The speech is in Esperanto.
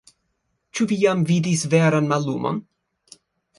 Ĉu vi jam vidis veran mallumon?